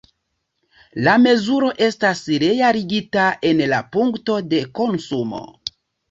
La mezuro estas realigita en la punkto de konsumo.